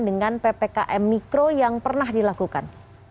dengan ppkm mikro yang pernah dilakukan